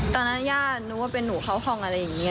ตอนนั้นย่านูว่าเป็นหนูเข้าห้องอะไรอย่างเงี้ย